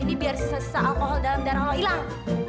ini biar sisa sisa alkohol dalam darah lo hilang